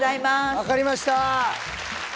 分かりました